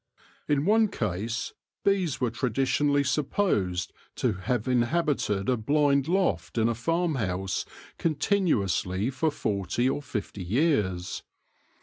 In one case bees were traditionally supposed to have inhabited a blind loft in a farm house continuously for forty or fifty years.